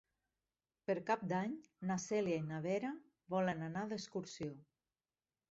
Per Cap d'Any na Cèlia i na Vera volen anar d'excursió.